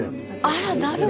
あらなるほど！